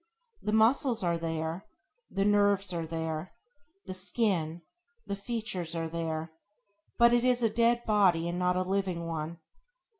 The muscles are there; the nerves are there; the skin, the features are there; but it is a dead body and not a living one.